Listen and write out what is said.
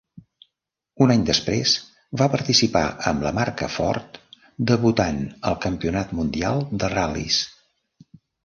Un any després va participar amb la marca Ford debutant al Campionat Mundial de Ral·lis.